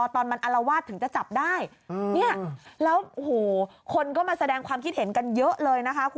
ตอนมันอลวาทถึงจะจับได้แล้วคนก็มาแสดงความคิดเห็นกันเยอะเลย